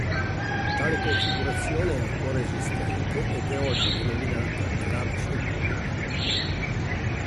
Tale configurazione è ancora esistente ed è oggi denominata Club Circuit.